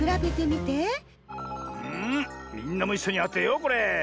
みんなもいっしょにあてようこれ。